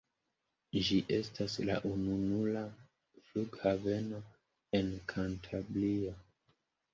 Ĝi estas la ununura flughaveno en Kantabrio.